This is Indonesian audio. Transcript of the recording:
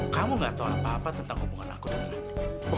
kamu gak tau apa apa tentang hubungan aku dengan